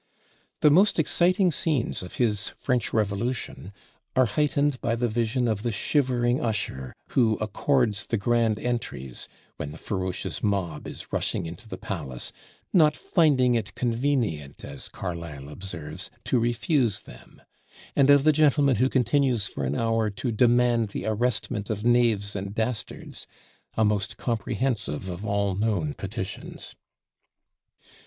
The most exciting scenes of his 'French Revolution' are heightened by the vision of the shivering usher who "accords the grand entries" when the ferocious mob is rushing into the palace not "finding it convenient," as Carlyle observes, "to refuse them"; and of the gentleman who continues for an hour to "demand the arrestment of knaves and dastards" a most comprehensive of all known petitions.